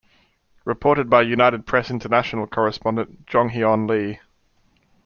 Reported by United Press International correspondent Jong-Heon Lee.